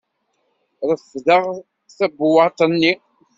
Refdeɣ tabewwaḍt-nni.